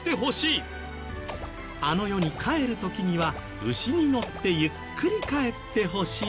あの世に帰る時には牛に乗ってゆっくり帰ってほしい。